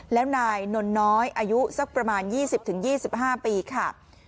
แล้วนายนนน้อยอายุสักประมาณ๒๐๒๕ปีค่ะ